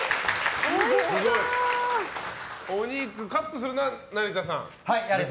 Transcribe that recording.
お肉カットするのは成田さん。